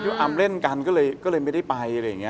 ว่าอำเล่นกันก็เลยไม่ได้ไปอะไรอย่างนี้